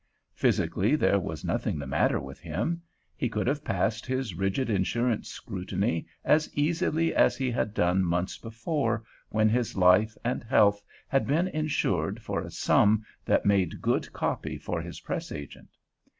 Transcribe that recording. Physically there was nothing the matter with him; he could have passed his rigid insurance scrutiny as easily as he had done months before, when his life and health had been insured for a sum that made good copy for his press agent.